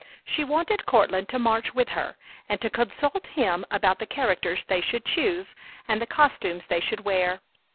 She wanted Courtland to march with her, and to consult him about the characters they should choose and the costumes they should wear.